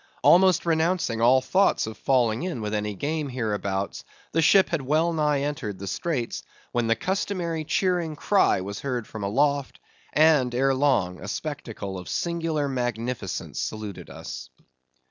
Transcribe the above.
Almost renouncing all thought of falling in with any game hereabouts, the ship had well nigh entered the straits, when the customary cheering cry was heard from aloft, and ere long a spectacle of singular magnificence saluted us.